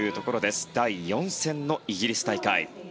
第４戦のイギリス大会。